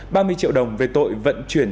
ba mươi triệu đồng về tội vận chuyển